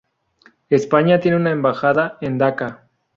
España tiene una embajada en Daca.